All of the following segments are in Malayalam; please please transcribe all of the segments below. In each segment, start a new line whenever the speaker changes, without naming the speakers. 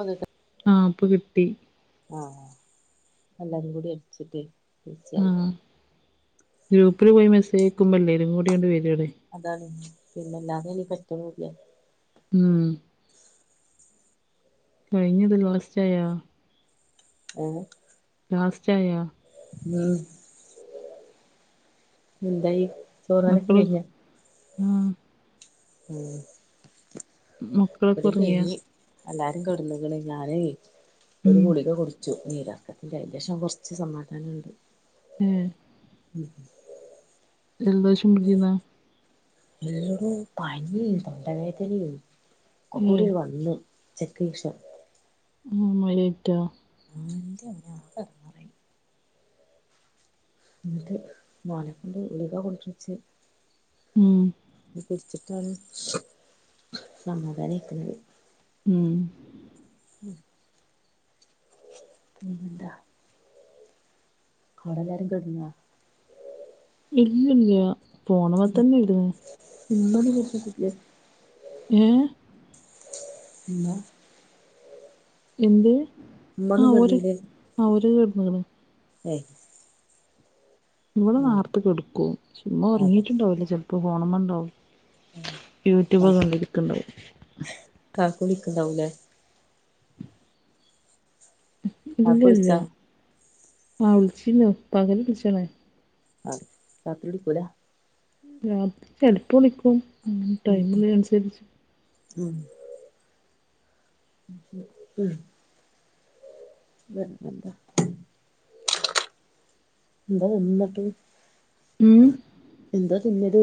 അതെട്
ആപ്പ് കിട്ടി
ആഹ് എല്ലരും കൂടി അടിച്ചിട്ട് പിടിച്ചാണ്
ഗ്രൂപ്പിൽ പോയി മെസേജ് അയക്കുമ്പോ എല്ലാരുംകൂടി ഇങ്ങട് വരുവാണ്
അതാണ് പിന്നെല്ലാതെനി പറ്റണുല്ല
ഉം കഴിഞ്ഞത് ലോസ്റ്റ് ആയോ
ഓ
ലോസ്റ്റായോ
ഉം എന്തായി ചോറുണ്ണലൊക്കെ
മക്കള്
കഴിഞ്ഞോ
മം
ഉം
മക്കളൊക്കെ
ഇവടെ
ഉറങ്ങിയാ
കഴിഞ്ഞ് എല്ലാരും കിടന്നേക്കണ് ഞാനെ ഒരു
ഉം
ഗുളിക കൊടു ത്തു നീർറക്കത്തിന്റെറെ അതിന്റെ ശേഷം കുറച്ച് സമാധാനം ഉണ്ട്
ഏ
ഉംഹും
ജലദോശംപിടിച്ചിന്ന
[unintelligible] പനിം തൊണ്ടവേദനയും ഒക്ക
ഏഹ്
കൂടി വന്ന് ചക്കി ക്ഷം
ഉം ഓലെറ്റാ
എന്താണ് ആ ഹ എന്നട്ട് മോനെ കൊണ്ട് ഗുളിക കുടിപ്പിച്ച്
ഉം
കുടിച്ചിട്ടാണ് സമാധാന ആയിക്കണ്
ഉം
പിന്നെന്താ അവിടെല്ലാരും കിടന്ന
ഇല്ലല്ല ഫോണ് മ്മെ തന്നെ ഇടുന്നേ
പിന്നെ ഒന്നും [unintelligible]
ഏ
പിന്നെ
എന്ത് ആ
ഉമ്മൊന്നും
ഓര്
കിടന്നീല്ലേ
ആ ഓര് കിടന്നേക്കണ്
ഏയ്
ഇവിടെ
ആഹ്
നേർത്ത് കെടുക്കും ചുമ്മ
അതെ
ഉറങ്ങിയിട്ടുണ്ടാവില്ല ചിലപ്പോ ഫോണമ്മ ഉണ്ടാവും
കാ
യൂട്യൂബ് കണ്ടിരിക്കണ്ടാവും
കാക്കു വിളിക്കുന്നുണ്ടാവുല്ലേ
ഇല്ല
കാക്കു
ഇല്ല
വിളിച്ചാ
ആ വിളിച്ചിന്നു പകൽ വിളിച്ചണേ
ആ രാത്രിവിളിക്കൂല
രാത്രി ചെലപ്പം വിളിക്കുംടൈ
ഉം
മ്
ഉം
ല്ലെ അനുസരിച്ച്
ഉം ഉം നിർബന്ധ എന്താ എന്നിട്ട്
ഉം
എന്താ തിന്നത്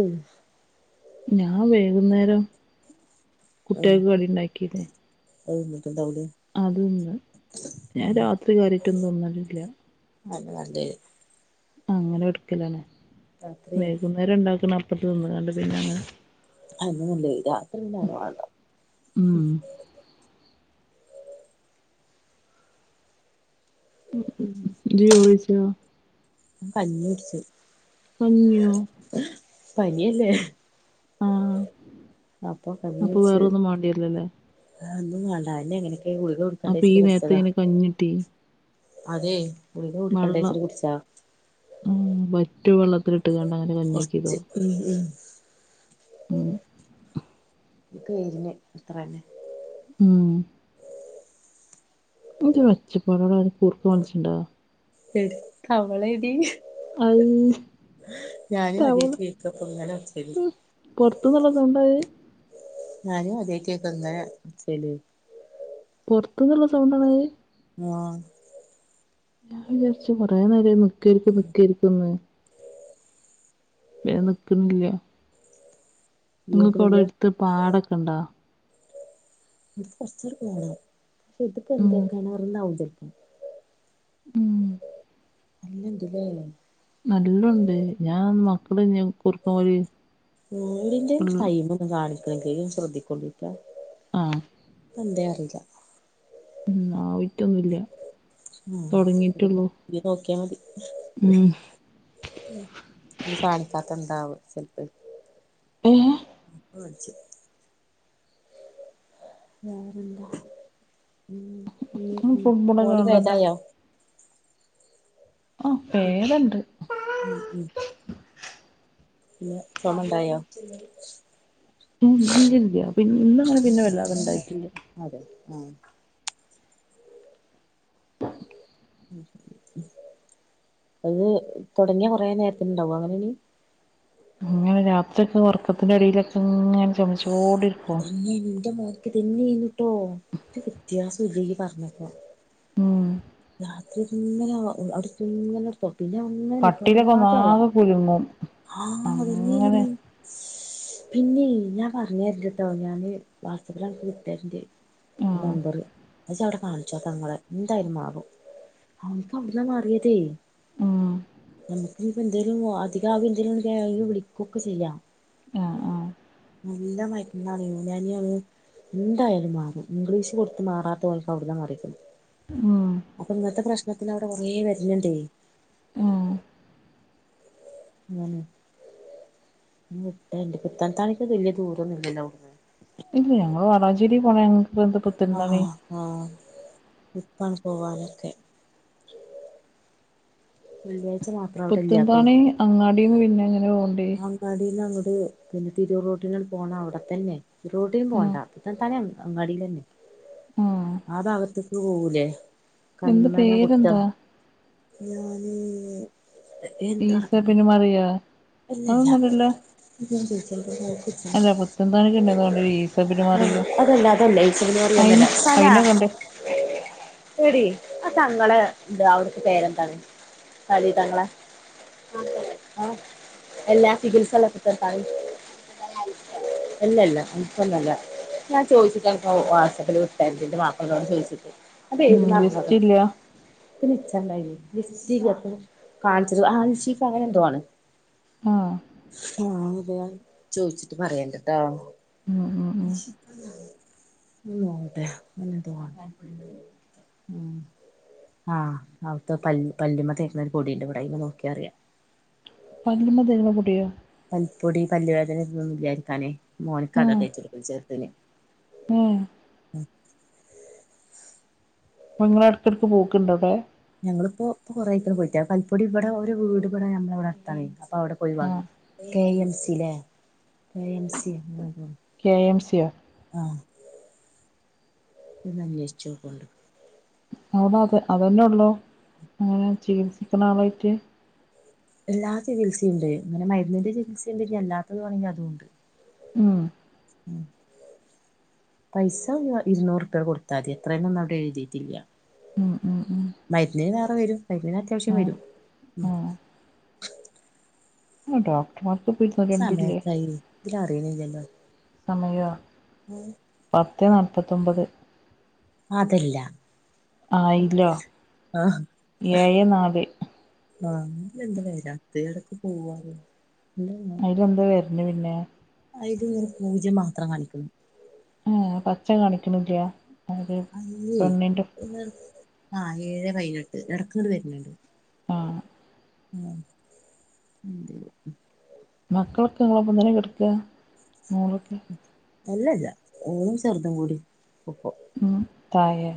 ഞാ വൈകുന്നേരം കുട്ടികൾക്ക് കടി ഉണ്ടാക്കിയത്
[unintelligible] എന്താ വേണ്ടേ
അത് തിന്ന് ഞാൻ രാത്രി കാര്യായിട്ടൊന്നും തിന്നലി ഇല്ല.
അതാ നല്ലെ
അങ്ങനെ എടുക്കലാണ്
രാത്രി
വേകുന്നേരം ഉണ്ടാക്കണ അപ്പം തിന്ന് കണ്ട് പിന്നെ അങ്ങനെ കൊടുക്കലാണ്.
അത നല്ലത് രാത്രി എന്ന വേണ്ട
ഉം
ഉം
ഇന്ന് ചോറ് കഴിച്ചോ
മം കഞ്ഞി കുടിച്ച്
കഞ്ഞിഞോ
പനില്ലേ
ആഹ് അപ്പൊ വേറോന്നും മാണ്ടിയരൂലല്ലേ.
ആ ഒന്നുംവേണ്ടാ എന്നെ ഇങ്ങനെയൊക്കെ ഗുളിക കൊടു
അപ്പൊ ഈ നേരത്ത് എങ്ങനെ കഞ്ഞ്കിട്ടി.
അതെ ഗുളിക കുടി കണ്ടേച്ചിട്ട് കുടിച്ചാത
പറ്റ് വെള്ളത്തിൽ ഇട്ട്ങട് അങ്ങനെ കഞ്ഞിയാക്കിയതോ
കൊറച്ച് ഉം ഉം
ഉം
ഇക്ക് കയിഞ്ഞെ ഇത്രന്നെ
ഉം ഇനിക്ക് വെച്ചപ്പ [unintelligible] കൂർക്കം വലിച്ചിണ്ടാ
പെട് കവളേടി.
അയ്
ഞാനും ആദ്യായിട്ട് കേക്ക ഇങ്ങന ഒച്ചെല്
പൊറത്തിന്നുള്ളൊരു സൗണ്ട അത്.
ഞാനും ആദ്യായിട്ട് കേക്കാ ഇന്നലെ [unintelligible]
പൊറത്തുന്നുള്ള സൗണ്ടാണത്.
ആഹ്
ഞാൻ വിചാരിച്ചു കൊറെ നേരായി നിക്കേരിക്കും നിക്കേരിക്കുന്ന്. ഞാൻ നിക്ക്ൺല്ല്യ.
ഇയ്യ്
നിങ്ങക്ക്
കേക്ക്ണില്ല
ഓടെടുത്ത് പാടൊക്കെ ഒണ്ടാ.
[unintelligible]
ഉം
[unintelligible]
ഉം
നല്ലിന്തുലേയം
നല്ലോണ്ട് ഞാൻ മക്കള് ഞാൻ കൊറിക്കുമ്പോഴ്
ടിന്റെം ടൈയിമ്പോന്നും കാണിക്കുനില ശ്രദ്ധിക്കൊണ്ടിരിക്ക
ആഹ്
എന്തേ അറിയില്ല
ഉ ആ വിറ്റൊന്നുല്ല.
ആഹ് ഇത് നോക്കിയാ മതി.
ഉം
കാണിക്കാത്തത് എന്താണാവോ ചിലപ്പംകി.
ഏഹ്
ഓൻച്ചി വേറെന്താ ഉം
ഇങ്ങള് ഫുട്ബോളൊക്കെ
മോന്
കാണല്ണ്ടോ
ഭേതായോ?
ആഹ് ഭേതണ്ട്.
ഉം ഉം പിന്ന ചൊമ ഉണ്ടായോ?
ഇല്ല ഇല്ല പി ഇന്ന അങ്ങനെ പിന്നെ വെല്ലാതെ ഉണ്ടായിട്ടില്ല.
അതെ ആഹ് അത് തൊടങ്ങിയ കൊറേ നേരത്തിണ്ടാവോ അങ്ങനെന്.
അങ്ങനെ രാത്രിക്ക ഒറക്കത്തിൻ്റെ എടെലൊക്കെ ഇങ്ങനെ ചെമച്ചോണ്ടിരിക്കും.
പിന്ന എന്റെ മോക്ക് ഇതന്നെയായിന്നിട്ടോ ഒരു വ്യത്യാസം ഇല്ലയി പറഞ്ഞപ്പോ
ഉം
രാത്രിന്ന [unintelligible] പിന്നെ ഒന്നെ
കട്ടിലൊക്കെ
നിക്കാതായി
ഒന്നാകെ കുലുങ്ങും
ആഹ് അതെന്നേ നീ
അങ്ങനെ
പിന്നെ ഞാൻ പറഞ്ഞരണ്ട്ട്ടോ ഞാന് വാട്സപ്പിൽ അനക്ക് വിട്ടര്ണ്ട്
ആഹ്
നമ്പറ് ജ്ജ അവിടെ കാണിച്ചോ നിങ്ങളെ എന്തായാലും മാറും അവനക്ക് അവിട്ന്നാ മാറിയതേ
ഉം
അപ്പോ എന്തെലും അധികാവ എന്തലും വിളിക്കുക്കെ ചെയ്യാം
ആഹ് ആഹ്
നല്ല മരുന്നാണ് [unintelligible] ന്തായാലും മാറും ഇംഗ്ലീഷ് കൊടുത്ത് മാറാത്ത ഒൾക്ക് അവിട്ന്നാണ് മറിക്ക്ണ്
ഉം
അപ്പൊ ഇങ്ങത്തെ പ്രശ്നത്തിൽ അവിടെ കുറെ മരുന്നുണ്ടേ
ഉം
ഉം വിട്ടരന്റ് പുത്തനത്താണിക്ക് വെല്ല്യ ദൂരൊന്നു ഇല്ലല്ലോ
ഇല്ലെയ്‌ ഞങ്ങള് വാളാഞ്ചേരിൽ പോണെ ഞങ്ങക്ക് ന്ത് പു
ആഹ് ആഹ് ഇപ്പാണ് പോവാനക്കെ വെള്ളിയാഴ്ച രാ
പുത്തൻനതാണീ അങ്ങാടിന്ന് പിന്നെ എങ്ങനെ പോണ്ടേ
അങ്ങാടിന്ന് അങ്ങട് പിന്നെ തിരുറോട്ടിന പോണ അവിടെത്തന്നെ വേറെ എവിടെ പോണ്ട
ആഹ്
പുത്തനത്താണി അങ്ങാടിയിലന്നെ ആഹ് ഭാഗത്തേക്ക് പോവൂലേ
എന്ത്
കന്മന കുട്ട
പേരെന്താ
ഞാന്.
ഈ
എന്താറഞ്ഞ
സബ്ന് മറിയ
അല്ലല്ല
അതൊന്നുംല്ലല്ലോ. പുത്തൻന്താണിക്ക് ഉണ്ട് തോന്നുണ്ട് ഈസ ബിൻ മറിയ
[unintelligible] അതല്ല, അതല്ല ഈ [inaudible] സന
അയിന അയിനൊക്കെ ഉണ്ട്
എടി ആ സങ്കട ത് അവ്ടത്തെ പേരെന്താണ്. [unintelligible] എല്ലാ ചികിത്സള്ള [unintelligible] എല്ലല്ല [unintelligible] ഞാൻ ചോയിച്ചിട്ട അനക് വാട്സപ്പിൽ വിട്ടര്ല്ന്റ് ന്റെ മാപ്പളോട് ചോയിച്ചിട്ട്. അതെത്
ഉം ജസ്റ്റ്
[unintelligible]
ഇല്ല
ഇയ്ക്കു നിച്ചണ്ടെയ്ന് [unintelligible] കാണിച്ചത് അൽ ശിഫ അങ്ങനെ എന്തോ ആണ്.
ആഹ്.
ആഹ് അതെ ചോദിച്ചിട്ട് പറയണ്ടട്ടോ.
ഉം, ഉം. ഉം
[unintelligible] ങ്ങനെ ന്തോ ആണു. ആഹ് അവിടുത്തെ പല് പല്ലുമ്മ തേക്കുന്നൊരു പൊടിണ്ട് ഇവിടെ അയ്മെ നോക്കിയ അറിയാം.
പല്ലുമ്മേ തെയ്ണ പൊടിയോ?
പൽപ്പൊടി പല്ലുവേദനൊന്നും ഇല്ലാതിയിരിക്കാന് മോൻക്കത തേച്ചോടുപ്പ ചേർതന്.
ഉം. അപ്പൊ ങ്ങള് എടയ്ക്കെടക്ക് പോക്ക്‌ണ്ടോവിടെ?
ഞങ്ങളിപ്പോ ഇപ്പോ കൊറേയ്ക്ക് ണ്‌ പോയിറ്റെ പൽപ്പോടി ഇവിടെ ഒരു വീട് പണി യന്ന് വിടെ അടുത്തണ്‌ അപ്പൊ അവിടെ പോയി
ആഹ്
വാങ്ങി. കെ എം സി ലെ കെ എം സി ഉം ഉം
കെ എം സി യോ?
ആഹ് ഇയ്യൊന്വേഷിചോക്കൊണ്ട്.
അവിട അത് അതന്നെ ഉള്ളൂ അങ്ങനെ ചികിത്സിക്കണ ആളായിട്ട്.
എല്ലാ ചികിത്സുണ്ട് ഇങ്ങനെ മരുന്നിന്റെ ചികിത്സുണ്ട് ഞ്ഞി അല്ലാത്തത് വേണങ്കി അതുംണ്ട്.
ഉം.
ഉം. പൈസ ഇരുന്നൂറ്പ്പ്യ കൊടുത്താതി എത്രന്നോന്നും അവിടെ എഴുതിട്ടില്ല.
മ് ഉം ഉം
മരുന്നിനു വേറെ വരും മരുന്നിന് അത്യാവശ്യം
ആഹ്
വരും. ഉം
ആഹ് ആഹ് ഡോക്ടർമാർക്ക് ഇപ്പൊ ഇരുന്നൂറ്റിരണ്ടില്ലേ
സമയത്രായി ഇതിലറിയുന്നില്ലല്ലോ.
സമയോ?
ഉം.
പത്തെ നാപ്പത്തൊമ്പത്.
അതെല്ല.
ആയിലോ
ആഹ്
ഏഴെ നാല്.
ആഹ് ഇതെന്ത വരാത്തെ എടക്ക് പോവാണ് ന്ന് ന്നേ.
അയ്ലെന്താ വര്നെ പിന്നെ.
അയ്ത് ങ്ങനെ പൂജ്യം മാത്രം കാണിക്ക്‌ണ്.
ആഹ് പച്ച കാണിക്ക്‌ണില്ല്യ.
അല്ലേ ആ ഏഴേ പൈനെട്ട് എട്ക്ക്‌ങ്ങട് വര്ണ് ണ്ട്.
ആഹ്.
ആ ന്തെ.
മക്കളൊക്കെ ങ്ങളൊപ്പം തന്നെ കെട്ക്ക മോളൊക്കെ.
അല്ലല്ല ഓളും ചെർതും കൂടി. ഓ
ഉം തായേ.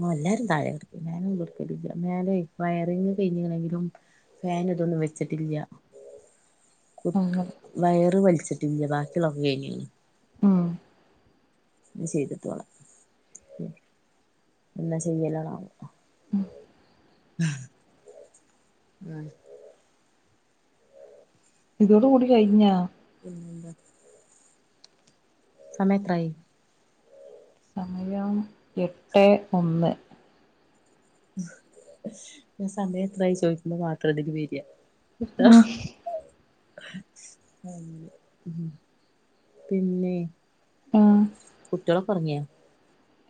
മല്ലാരും താഴെ കെട്ക്കല് മേലൊന്നും കെട്ക്കലില്ലാ. മേലെ വയറിങ് കെയ്ഞ് ക്ക്‌ണെങ്കിലും. ഫാന് തൊന്നും വെച്ചിട്ടില്ല്യ. കു
അങ്ങനെ
വയറ് വല്ച്ചിട്ടില്ല്യ. ബാക്കിയുള്ളൊക്കെ കെയ്ഞ്ണ്.
ഉം.
ചെയ്തത്വാണ് എന്നാ ചെയ്യലാണാവോ.
ഉം.
ഹ. [unintelligible]
ഇതോട് കൂടി കയ്ഞ്ഞ.
പിന്നെന്താ. സമയെത്രായി.
സമയം എട്ടെ ഒന്ന്.
ഞാ സമയത്രായി ചോയ്ക്കുമ്പ മാത്രതില്‌ വര്യാ ത്ത
ഉം
ഹ്. ഹ് [inaudible] പിന്നെയ്.
ആഹ്.
ട്ട്യോളൊക്കൊർങ്യോ.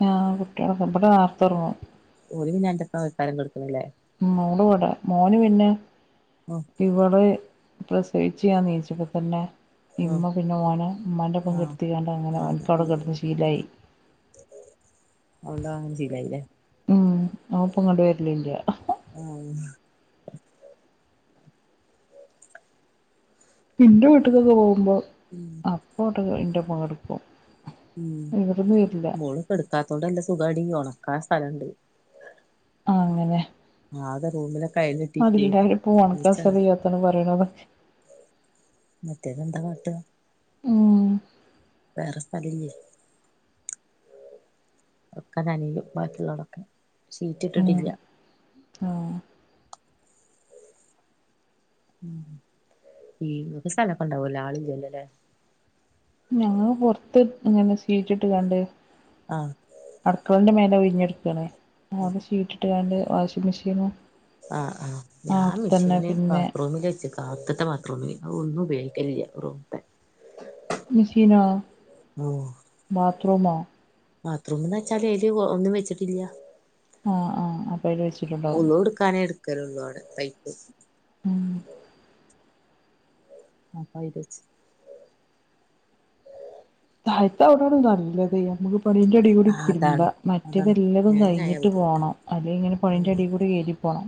ഞാ കുട്ട്യോളൊക്കെ ബടെ ന്നാർത്തൊർങ്ങും.
ഓല് പിന്നെ അന്റപ്പാവെയ്ക്കാരം കെട്ക്ക്ണ് ലെ.
ഉം മോള് വടെ മോന് പിന്നെ.
ഓഹ്.
ഇവള് പ്രസവിച്ച് ഞാ നീച്ചപ്പ തന്നെ.
ഉം
ഇമ്മ പിന്നെ ഓനെ മ്മാന്റൊപ്പം
ആഹ്
കെട്ത്തികാണ്ട് അങ്ങനെ ഓൻക് അവ്ടെ കെട്ന്ന് ശീലായി.
അവ്ണ്ട് അഹ്ങ്ങനെ ശീലായിലെ.
ഉം ഓപ്പ്ങ്ങട്ട് വര്ലില്ല്യ.
ആഹ് ഉം.
ഇന്റെ വീട്ട്ക്കൊക്കെ പോവുമ്പം.
ഉം.
അപ്പോട്ടൊക്കെ ഇൻ്റെപ്പം കട്ക്കും.
ഉം മോള് കെട്ക്കാത്തോണ്ട് അല്ല സുഖാടി ഒണ്ക്കാ സ്ഥലണ്ട്.
ആഹ് ങ്ങനെ.
ആകെ റൂമില
അതില്ലായിപ്പോ ഒണ്ക്കാ സ്ഥലയ്യാത്താണ് പറിണത്.
മറ്റേത് എന്താ കാട്ട.
ഉം.
വേറെ സ്ഥലല്ല്യെ. ഒക്ക നനിയും ബാക്കിയ്ള്ളതൊക്കെ സീറ്റ്
ഉം
ഇട്ടിട്ടില്ല.
ആഹ്.
ഉം ഈ ങ്ങക്ക് സ്ഥലൊക്കണ്ടാവൊല്ലോ ആളില്ലല്ലോ ലേ.
ഞങ്ങള് പൊർത്ത് അങ്ങനെ സീറ്റ്ട്ട്കാണ്ട്.
ആഹ്.
അട്ക്കളന്റെ മേലെ ഒയ്ഞ്ഞട്ക്കാണ് അവ്ടെ ശീറ്റ്ട്ട്കാണ്ട് വാഷിംഗ് മെഷീനും.
ആഹ് ആഹ് ഞാ
അവ്ട്ത്തന്നെ
മിഷീന്
പിന്നെ
ബാത്റൂമില് വെച്ചക്ക. ആത്ത്ത്തെ ബാത്രൂമില് അ ഒന്നു ഉപയോഗിക്കലില്ല റൂംത്തെ.
മിശീനോ ബാത്രൂമോ.
ബാത്റൂമ്ന്നച്ചാല് ഏല് കൊ ഒന്നും വെച്ചിട്ടില്ല.
ആഹ് ആഹ് അപ്പയ്ല് വെച്ചിട്ടുണ്ടാവും.
ക്കാനേ എട്ക്കലൊള്ളൂ അവ്ടെ പൈപ്പ്.
ഉം.
അപ്പയ്ലെച്ച്.
തായ്ത്തൗടൊടിം താറില്ല ന്തയ്യ അമക്ക്. പണിൻ്റെടി കൂടിം
ആഹ് അതാണ്
തിര്മ്പ
അതാണ്
മറ്റതെല്ലതും
മേലായ
കയ്ഞ്ഞിട്ട്
ബുദ്ധിമുട്ടാ
പോണം അല്ലെ ഇങ്ങനെ പണിൻ്റെടികൂടി എലു പോണം.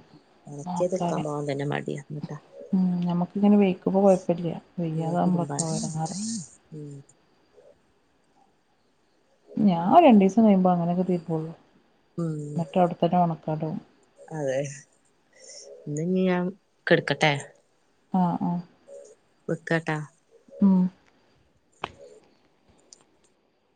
ഒണക്ക്യത്ട്ക്കാം
നോക്കാന്
പോവാം തന്നെ മട്യ ന്നട്ട.
ഉം ഞ്ഞമ്മക്ക്ങ്ങനെ വെയ്ക്കുമ്പൊ കൊയ്പ്പല്ല്യ വെയ്യാതാവുമ്പള
തിരുമ്പാൻ
ട്ടോ എടങ്ങേറ്.
ഉം
ഞാൻ ഒരു രണ്ട് ദിവസം കഴിയുമ്പം അങ്ങനൊക്കെ തീർപ്പുള്ളൂ
പോവാന്നോ നിങ്ങള് അതെ ഇനി ഞാൻ കെടക്കട്ടെ
ആഹ് ആഹ്
വെക്കെട്ടാ
ഉം